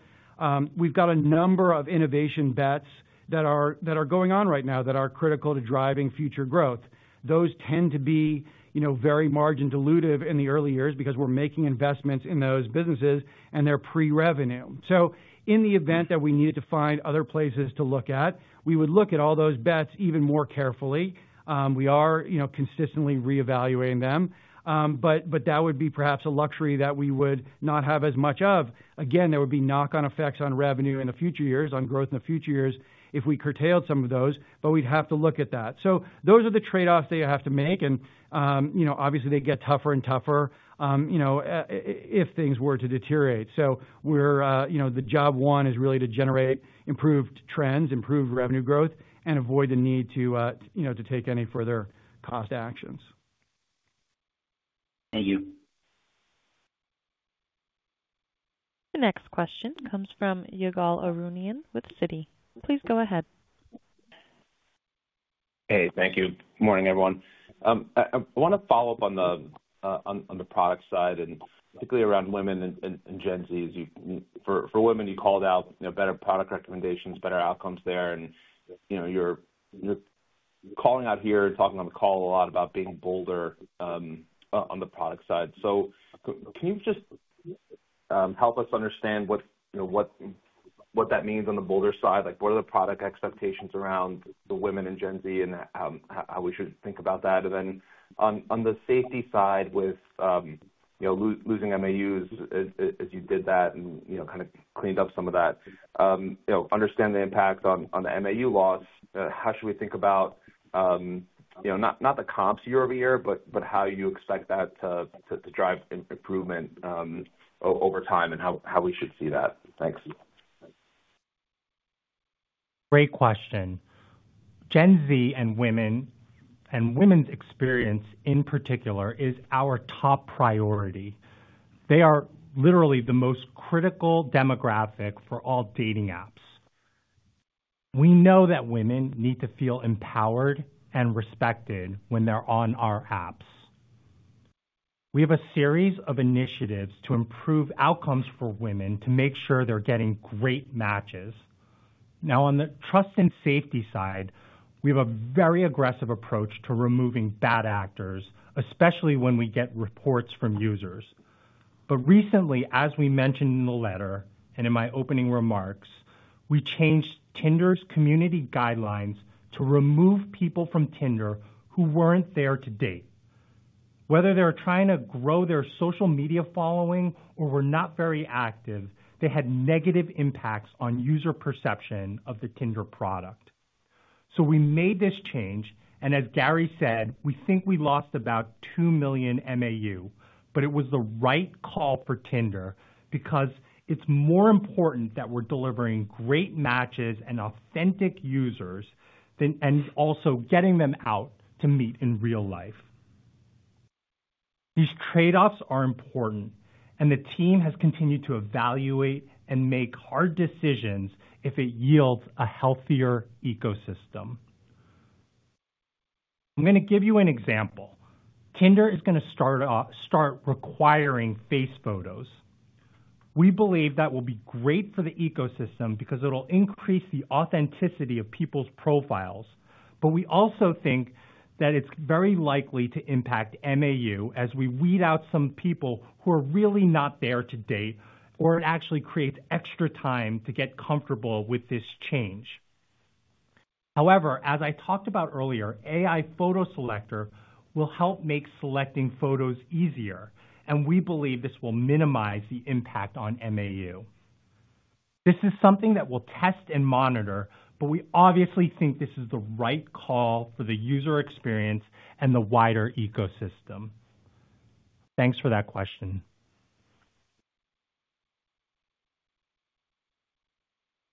we've got a number of innovation bets that are going on right now that are critical to driving future growth. Those tend to be very margin-dilutive in the early years because we're making investments in those businesses, and they're pre-revenue. So in the event that we needed to find other places to look at, we would look at all those bets even more carefully. We are consistently reevaluating them. But that would be perhaps a luxury that we would not have as much of. Again, there would be knock-on effects on revenue in the future years, on growth in the future years, if we curtailed some of those. But we'd have to look at that. So those are the trade-offs that you have to make. And obviously, they get tougher and tougher if things were to deteriorate. So the job, one, is really to generate improved trends, improved revenue growth, and avoid the need to take any further cost actions. Thank you. The next question comes from Ygal Arounian with Citi. Please go ahead. Hey. Thank you. Good morning, everyone. I want to follow up on the product side and particularly around women and Gen Z. For women, you called out better product recommendations, better outcomes there. And you're calling out here and talking on the call a lot about being bolder on the product side. So can you just help us understand what that means on the bolder side? What are the product expectations around the women and Gen Z and how we should think about that? And then on the safety side with losing MAUs, as you did that and kind of cleaned up some of that, understand the impact on the MAU loss. How should we think about not the comps year-over-year, but how you expect that to drive improvement over time and how we should see that? Thanks. Great question. Gen Z and women's experience in particular is our top priority. They are literally the most critical demographic for all dating apps. We know that women need to feel empowered and respected when they're on our apps. We have a series of initiatives to improve outcomes for women to make sure they're getting great matches. Now, on the trust and safety side, we have a very aggressive approach to removing bad actors, especially when we get reports from users. But recently, as we mentioned in the letter and in my opening remarks, we changed Tinder's community guidelines to remove people from Tinder who weren't there to date. Whether they were trying to grow their social media following or were not very active, they had negative impacts on user perception of the Tinder product. So we made this change. As Gary said, we think we lost about 2 million MAU. But it was the right call for Tinder because it's more important that we're delivering great matches and authentic users and also getting them out to meet in real life. These trade-offs are important, and the team has continued to evaluate and make hard decisions if it yields a healthier ecosystem. I'm going to give you an example. Tinder is going to start requiring face photos. We believe that will be great for the ecosystem because it'll increase the authenticity of people's profiles. But we also think that it's very likely to impact MAU as we weed out some people who are really not there to date, or it actually creates extra time to get comfortable with this change. However, as I talked about earlier, AI Photo Selector will help make selecting photos easier, and we believe this will minimize the impact on MAU. This is something that we'll test and monitor, but we obviously think this is the right call for the user experience and the wider ecosystem. Thanks for that question.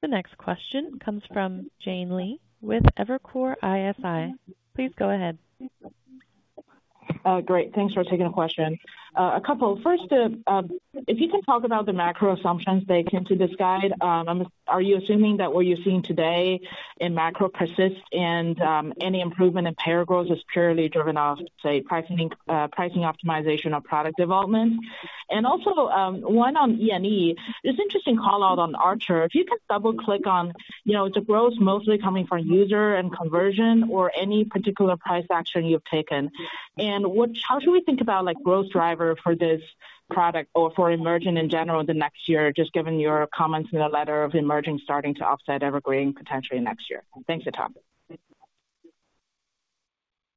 The next question comes from Jane Lee with Evercore ISI. Please go ahead. Great. Thanks for taking the question. A couple. First, if you can talk about the macro assumptions that came to this guide, are you assuming that what you're seeing today in macro persists and any improvement in payer growth is purely driven off, say, pricing optimization or product development? And also, one on E&E, there's an interesting callout on Archer. If you can double-click on, is the growth mostly coming from user and conversion or any particular price action you've taken? And how should we think about growth driver for this product or for Emerging in general the next year, just given your comments in the letter of Emerging starting to offset Evergreen potentially next year? Thanks for talking.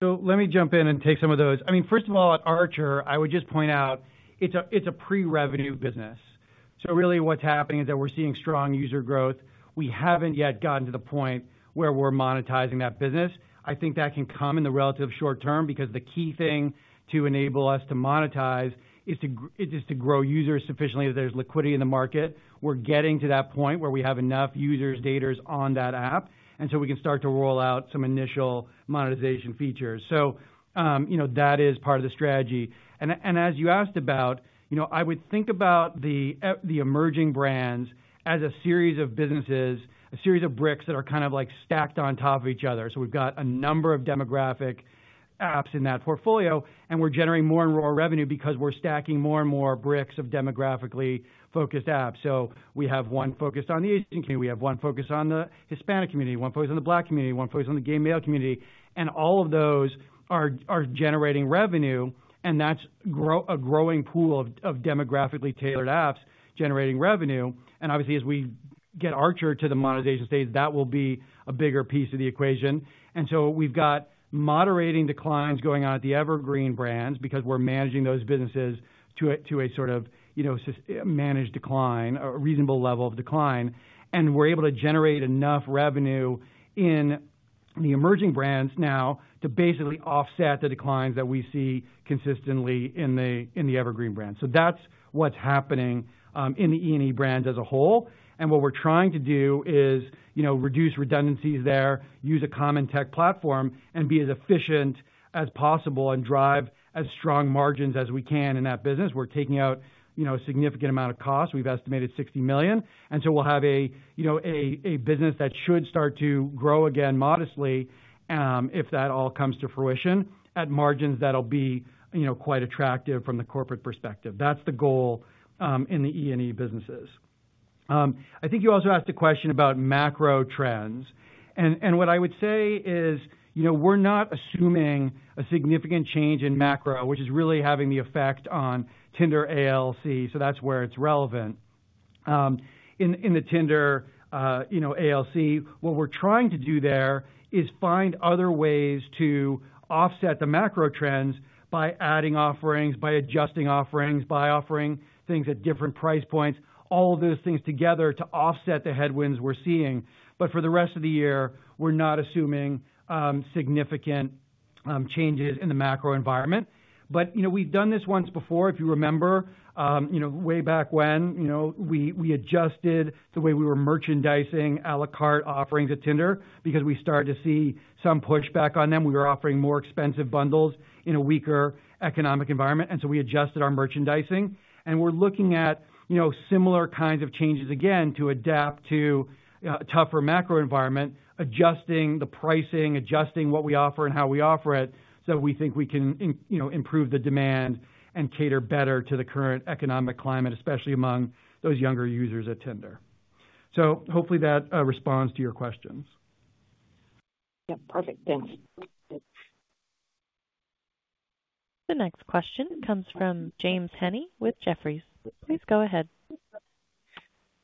So let me jump in and take some of those. I mean, first of all, at Archer, I would just point out it's a pre-revenue business. So really, what's happening is that we're seeing strong user growth. We haven't yet gotten to the point where we're monetizing that business. I think that can come in the relative short term because the key thing to enable us to monetize is to grow users sufficiently, that there's liquidity in the market. We're getting to that point where we have enough users, daters on that app, and so we can start to roll out some initial monetization features. So that is part of the strategy. And as you asked about, I would think about the Emerging brands as a series of businesses, a series of bricks that are kind of stacked on top of each other. So we've got a number of demographic apps in that portfolio, and we're generating more and more revenue because we're stacking more and more bricks of demographically focused apps. So we have one focused on the Asian community. We have one focused on the Hispanic community, one focused on the Black community, one focused on the gay male community. And all of those are generating revenue, and that's a growing pool of demographically tailored apps generating revenue. And obviously, as we get Archer to the monetization stage, that will be a bigger piece of the equation. And so we've got moderating declines going on at the Evergreen brands because we're managing those businesses to a sort of managed decline, a reasonable level of decline. And we're able to generate enough revenue in the Emerging brands now to basically offset the declines that we see consistently in the Evergreen brands. So that's what's happening in the E&E brands as a whole. And what we're trying to do is reduce redundancies there, use a common tech platform, and be as efficient as possible and drive as strong margins as we can in that business. We're taking out a significant amount of costs. We've estimated $60 million. And so we'll have a business that should start to grow again modestly if that all comes to fruition at margins that'll be quite attractive from the corporate perspective. That's the goal in the E&E businesses. I think you also asked a question about macro trends. And what I would say is we're not assuming a significant change in macro, which is really having the effect on Tinder ALC. So that's where it's relevant. In the Tinder ALC, what we're trying to do there is find other ways to offset the macro trends by adding offerings, by adjusting offerings, by offering things at different price points, all of those things together to offset the headwinds we're seeing. But for the rest of the year, we're not assuming significant changes in the macro environment. But we've done this once before, if you remember, way back when we adjusted the way we were merchandising à la carte offerings at Tinder because we started to see some pushback on them. We were offering more expensive bundles in a weaker economic environment. And so we adjusted our merchandising. We're looking at similar kinds of changes again to adapt to a tougher macro environment, adjusting the pricing, adjusting what we offer and how we offer it so that we think we can improve the demand and cater better to the current economic climate, especially among those younger users at Tinder. Hopefully, that responds to your questions. Yep. Perfect. Thanks. The next question comes from James Heaney with Jefferies. Please go ahead.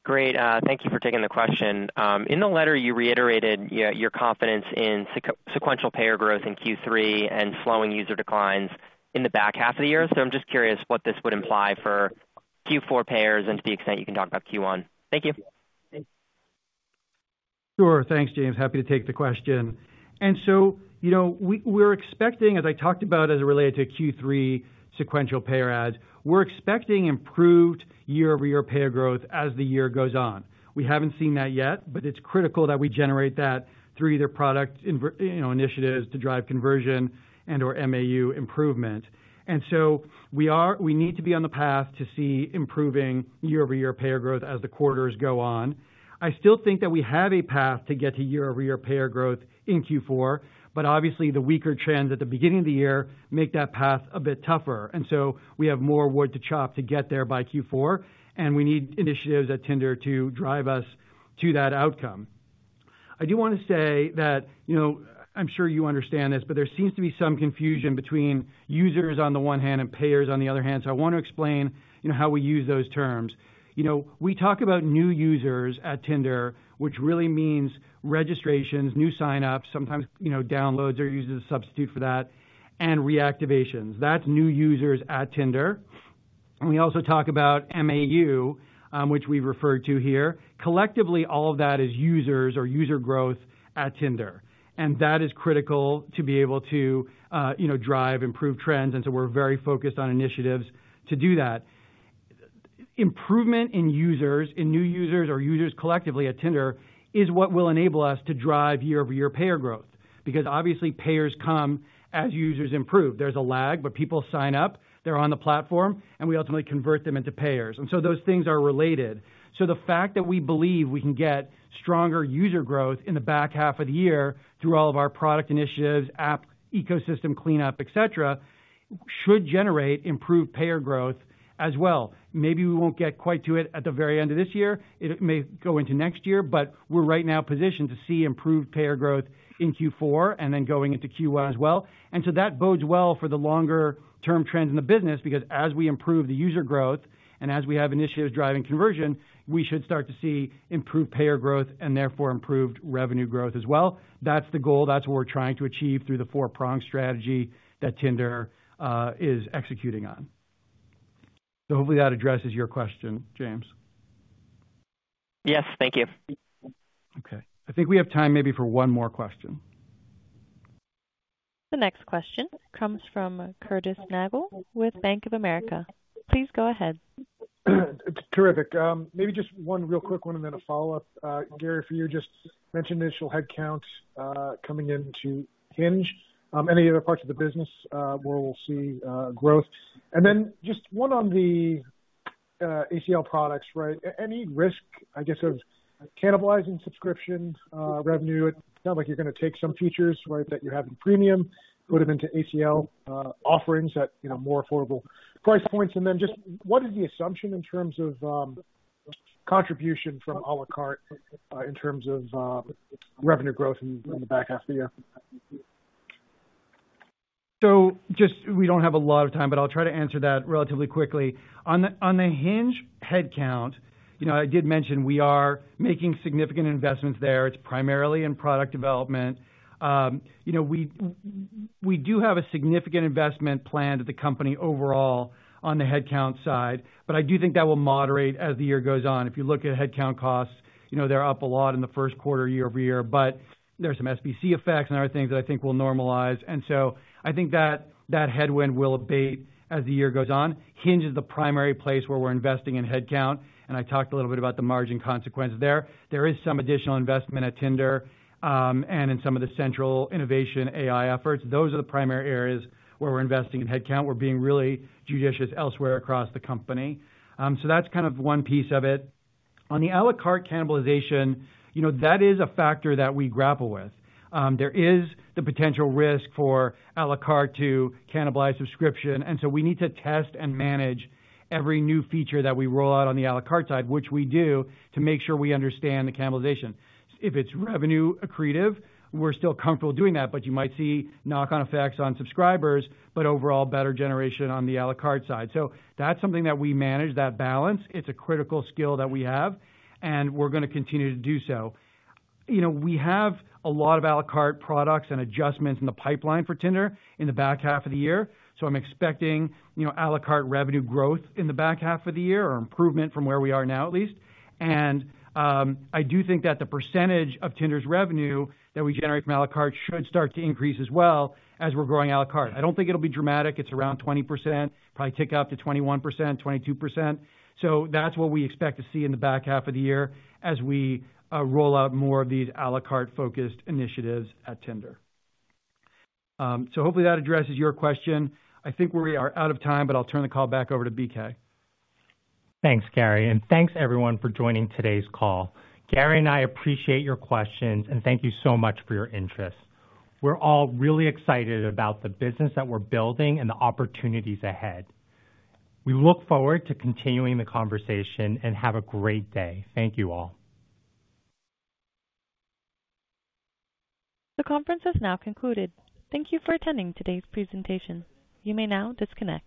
Great. Thank you for taking the question. In the letter, you reiterated your confidence in sequential payer growth in Q3 and slowing user declines in the back half of the year. I'm just curious what this would imply for Q4 payers and to the extent you can talk about Q1. Thank you. Sure. Thanks, James. Happy to take the question. We're expecting, as I talked about as it related to Q3 sequential payer adds, improved year-over-year payer growth as the year goes on. We haven't seen that yet, but it's critical that we generate that through either product initiatives to drive conversion and/or MAU improvement. We need to be on the path to see improving year-over-year payer growth as the quarters go on. I still think that we have a path to get to year-over-year payer growth in Q4, but obviously, the weaker trends at the beginning of the year make that path a bit tougher. We have more wood to chop to get there by Q4, and we need initiatives at Tinder to drive us to that outcome. I do want to say that I'm sure you understand this, but there seems to be some confusion between users on the one hand and payers on the other hand. So I want to explain how we use those terms. We talk about new users at Tinder, which really means registrations, new signups, sometimes downloads are used as a substitute for that, and reactivations. That's new users at Tinder. And we also talk about MAU, which we've referred to here. Collectively, all of that is users or user growth at Tinder. And that is critical to be able to drive improved trends. And so we're very focused on initiatives to do that. Improvement in users, in new users or users collectively at Tinder, is what will enable us to drive year-over-year payer growth because obviously, payers come as users improve. There's a lag, but people sign up. They're on the platform, and we ultimately convert them into payers. And so those things are related. So the fact that we believe we can get stronger user growth in the back half of the year through all of our product initiatives, app ecosystem cleanup, etc., should generate improved payer growth as well. Maybe we won't get quite to it at the very end of this year. It may go into next year, but we're right now positioned to see improved payer growth in Q4 and then going into Q1 as well. And so that bodes well for the longer-term trends in the business because as we improve the user growth and as we have initiatives driving conversion, we should start to see improved payer growth and therefore improved revenue growth as well. That's the goal. That's what we're trying to achieve through the four-prong strategy that Tinder is executing on. So hopefully, that addresses your question, James. Yes. Thank you. Okay. I think we have time maybe for one more question. The next question comes from Curtis Nagle with Bank of America. Please go ahead. Terrific. Maybe just one real quick one and then a follow-up, Gary, for you. You just mentioned initial headcount coming in to Hinge. Any other parts of the business where we'll see growth? And then just one on the ALC products, right? Any risk, I guess, of cannibalizing subscription revenue? It sounds like you're going to take some features, right, that you have in premium, put them into ALC offerings at more affordable price points. And then just what is the assumption in terms of contribution from à la carte in terms of revenue growth in the back half of the year? So just we don't have a lot of time, but I'll try to answer that relatively quickly. On the Hinge headcount, I did mention we are making significant investments there. It's primarily in product development. We do have a significant investment planned at the company overall on the headcount side, but I do think that will moderate as the year goes on. If you look at headcount costs, they're up a lot in the first quarter, year-over-year. But there are some SBC effects and other things that I think will normalize. And so I think that headwind will abate as the year goes on. Hinge is the primary place where we're investing in headcount. And I talked a little bit about the margin consequences there. There is some additional investment at Tinder and in some of the central innovation AI efforts. Those are the primary areas where we're investing in headcount. We're being really judicious elsewhere across the company. So that's kind of one piece of it. On the à la carte cannibalization, that is a factor that we grapple with. There is the potential risk for à la carte to cannibalize subscription. And so we need to test and manage every new feature that we roll out on the à la carte side, which we do, to make sure we understand the cannibalization. If it's revenue accretive, we're still comfortable doing that, but you might see knock-on effects on subscribers, but overall, better generation on the à la carte side. So that's something that we manage, that balance. It's a critical skill that we have, and we're going to continue to do so. We have a lot of à la carte products and adjustments in the pipeline for Tinder in the back half of the year. So I'm expecting à la carte revenue growth in the back half of the year or improvement from where we are now, at least. And I do think that the percentage of Tinder's revenue that we generate from à la carte should start to increase as well as we're growing à la carte. I don't think it'll be dramatic. It's around 20%, probably tick up to 21%, 22%. So that's what we expect to see in the back half of the year as we roll out more of these à la carte-focused initiatives at Tinder. So hopefully, that addresses your question. I think we are out of time, but I'll turn the call back over to BK. Thanks, Gary, and thanks, everyone, for joining today's call. Gary and I appreciate your questions, and thank you so much for your interest. We're all really excited about the business that we're building and the opportunities ahead. We look forward to continuing the conversation and have a great day. Thank you all. The conference has now concluded. Thank you for attending today's presentation. You may now disconnect.